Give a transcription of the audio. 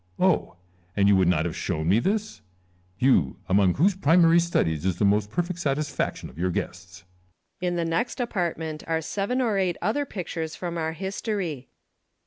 Oh ! and you would not have shown me this ? You, among whose primary studies is the most perfect satisfac tion of your guests ! Lucullus. In the next apartment are seven or eight other pictures from our history.